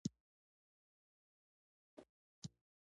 مختلف هېوادونه عواید په مختلفو لارو اندازه کوي